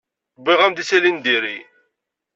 Wwiɣ-am-d isali n diri.